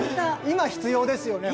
今必要ですよね